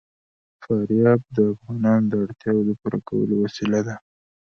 فاریاب د افغانانو د اړتیاوو د پوره کولو وسیله ده.